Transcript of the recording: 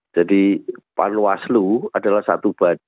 jadi panwaslu adalah satu badan